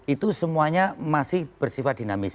itu semuanya masih bersifat dinamis